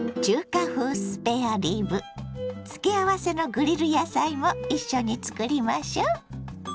付け合わせのグリル野菜も一緒に作りましょ。